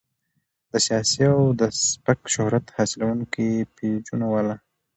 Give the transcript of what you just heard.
د سياسي او د سپک شهرت حاصلونکو پېجونو والا